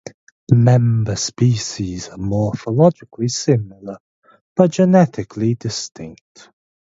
Member species are morphologically similar but genetically distinct.